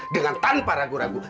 dengan tanpa ragu ragu